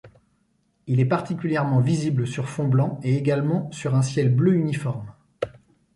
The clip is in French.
Il est particulièrement visible sur fond blanc et également sur un ciel bleu uniforme.